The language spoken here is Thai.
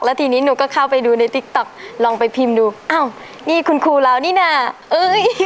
แล้วทีนี้หนูก็เข้าไปดูในติ๊กต๊อกลองไปพิมพ์ดูอ้าวนี่คุณครูเรานี่น่ะเอ้ย